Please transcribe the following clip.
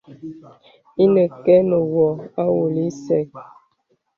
Ìnə kɛ nə wɔ̀ awɔlə ìsɛ.